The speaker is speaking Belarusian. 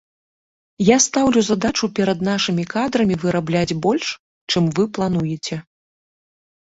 Я стаўлю задачу перад нашымі кадрамі вырабляць больш, чым вы плануеце.